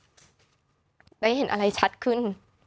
ที่ทำให้แพทย์ได้เห็นอะไรชัดขึ้น